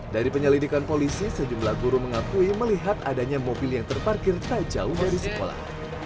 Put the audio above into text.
dari penyelidikan polisi sejumlah guru mengakui melihat adanya mobil yang terparkir tak jauh dari sekolah